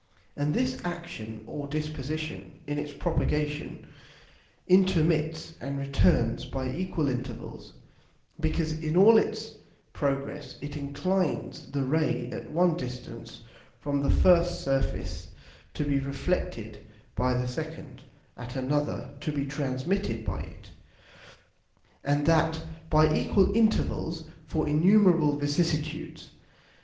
And this action or disposition, in its propagation, intermits and returns by equal Intervals, because in all its progress it inclines the Ray at one distance from the first Surface to be reflected by the second, at another to be transmitted by it, and that by equal Intervals for innumerable vicissitudes.